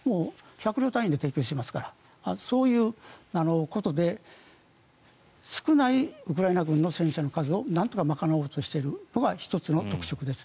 １００両単位で提供していますからそういうことで少ないウクライナ軍の戦車の数をなんとか賄おうとしているのが１つの特色です。